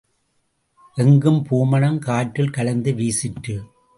எங்கும் பூமணம், காற்றில் கலந்து வீசிற்று.